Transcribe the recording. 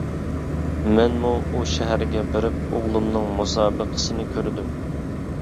مەنمۇ ئۇ شەھەرگە بېرىپ ئوغلۇمنىڭ مۇسابىقىسىنى كۆردۈم.